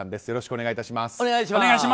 よろしくお願いします。